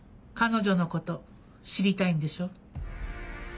彼女のこと知りたいんでしょ？